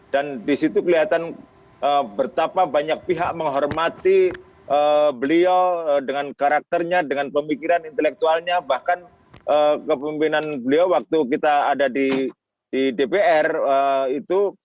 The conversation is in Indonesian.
dan disitu kelihatan bertapa banyak pihak menghormati beliau dengan karakternya dengan pemikiran intelektualnya bahkan kepemimpinan beliau waktu kita ada di dpr itu